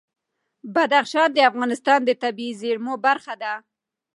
بدخشان د افغانستان د طبیعي زیرمو برخه ده.